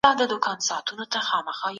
سفیرانو د افغانانو ستونزي اوریدلې.